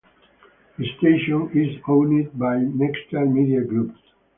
The station is owned by Nexstar Media Group.